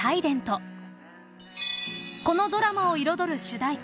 ［このドラマを彩る主題歌